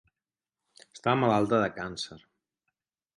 Estava malalta de càncer.